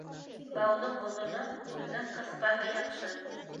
Бауҙың оҙоно, һүҙҙең ҡыҫҡаһы яҡшы.